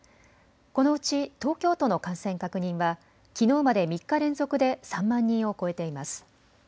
このうち東京都の感染確認はきのうまで３日連続で３万人を超えています。